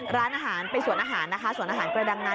ร้านอาหารเป็นสวนอาหารกระดังงาน